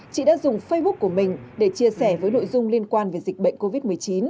chị đã dùng facebook của mình để chia sẻ với nội dung liên quan về dịch bệnh covid một mươi chín